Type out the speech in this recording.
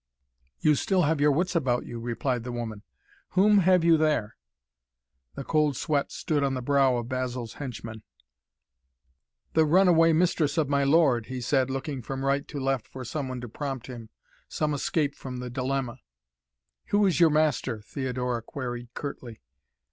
"You still have your wits about you," replied the woman. "Whom have you there?" The cold sweat stood on the brow of Basil's henchman. "The run away mistress of my lord," he said, looking from right to left for some one to prompt him, some escape from the dilemma. "Who is your master?" Theodora queried curtly.